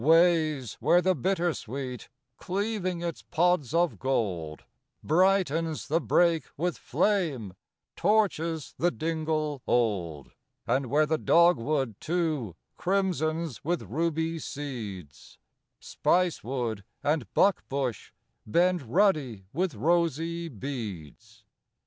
Ways where the bittersweet, cleaving its pods of gold, Brightens the brake with flame, torches the dingle old: And where the dogwood, too, crimsons with ruby seeds; Spicewood and buckbush bend ruddy with rosy beads.